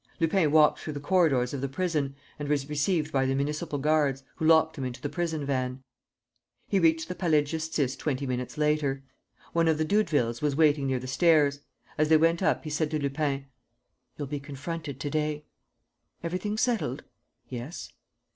Lupin walked through the corridors of the prison and was received by the municipal guards, who locked him into the prison van. He reached the Palais de Justice twenty minutes later. One of the Doudevilles was waiting near the stairs. As they went up, he said to Lupin: "You'll be confronted to day." "Everything settled?" "Yes."